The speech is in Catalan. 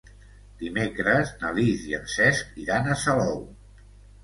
Dimecres na Lis i en Cesc iran a Salou.